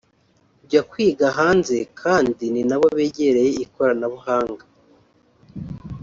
kujya kwiga hanze kandi ni na bo begereye ikoranabuhanga